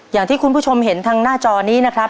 อย่างที่คุณผู้ชมเห็นทางหน้าจอนี้นะครับ